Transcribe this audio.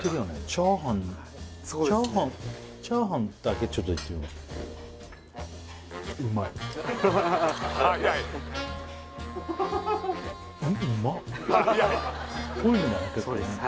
チャーハンチャーハンチャーハンだけちょっといってみようそうです